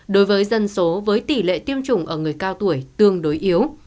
đối với dân số với tỷ lệ tiêm chủng ở người cao tuổi tương đối yếu